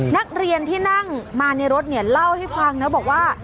นักเรียนที่นั่งมาในรถเนี่ยเล่าให้ฟังนะบอกว่า